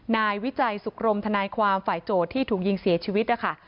นายวิจัยสุขรมทนายความฝ่ายโจทย์ที่ถูกยิงเสียชีวิตนะคะ